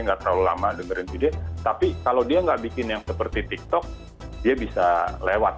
nggak terlalu lama dengerin video tapi kalau dia nggak bikin yang seperti tiktok dia bisa lewat